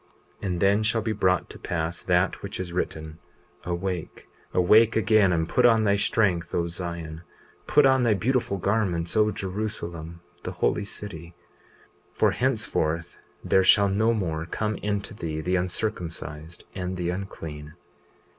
20:36 And then shall be brought to pass that which is written: Awake, awake again, and put on thy strength, O Zion; put on thy beautiful garments, O Jerusalem, the holy city, for henceforth there shall no more come into thee the uncircumcised and the unclean.